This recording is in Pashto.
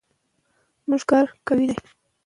که پوهه وي نو بریا نه پاتې کیږي.